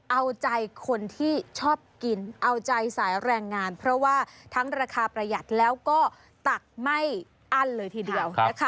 เอาใจคนที่ชอบกินเอาใจสายแรงงานเพราะว่าทั้งราคาประหยัดแล้วก็ตักไม่อั้นเลยทีเดียวนะคะ